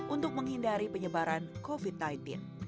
untuk menghindari penyebaran covid sembilan belas